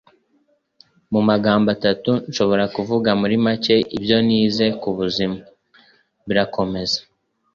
Mu magambo atatu nshobora kuvuga muri make ibyo nize ku buzima: Birakomeza